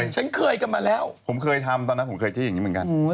ฉันเคยกันมาแล้วผมเคยทำตอนนั้นผมเคยที่อย่างนี้เหมือนกัน